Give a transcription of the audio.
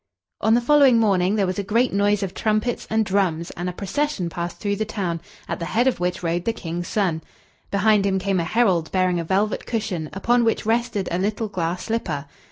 On the following morning there was a great noise of trumpets and drums, and a procession passed through the town, at the head of which rode the King's son. Behind him came a herald, bearing a velvet cushion, upon which rested a little glass slipper.